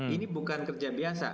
ini bukan kerja biasa